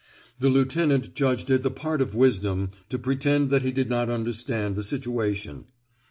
The lieutenant judged it the part of wisdom to pretend that he did not understand the situation.